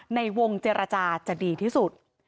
ในวงเจรจาจะดีที่สุด